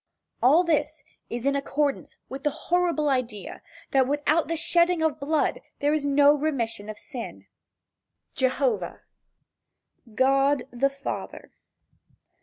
All this is in accordance with the horrible idea that without the shedding of blood there is no remission of sin. III. JEHOVAH. GOD the Father.